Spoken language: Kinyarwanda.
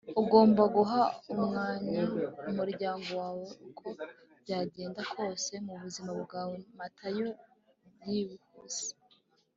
ugomba guha umwanya umuryango wawe uko byagenda kose mubuzima bwawe - matayo byihuse